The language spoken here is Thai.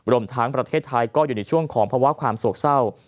รวมทั้งประเทศไทยก็อยู่ในช่วงของภาวะความโศกเศร้า